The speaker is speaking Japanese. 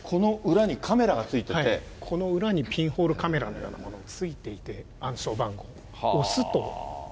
この裏に、ピンホールカメラのようなものがついていて、暗証番号を押すと。